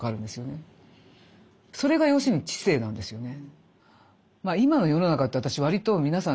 それが要するに知性なんですよね。